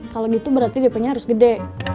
kalau gitu berarti dp nya harus gede